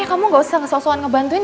kamu gak usah ngesel selan ngebantuin